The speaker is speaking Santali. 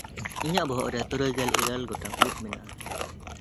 ᱤᱧᱟᱜ ᱵᱚᱦᱚᱜ ᱨᱮ ᱛᱩᱨᱩᱭᱜᱮᱞ ᱤᱨᱟᱹᱞ ᱜᱚᱴᱟᱝ ᱩᱵ ᱢᱮᱱᱟᱜᱼᱟ᱾